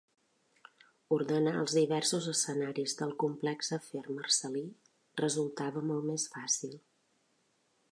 Ordenar els diversos escenaris del complex afer marcel·lí resultava molt més fàcil.